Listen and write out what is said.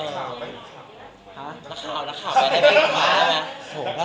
นักขายนักขายขาเงินอะ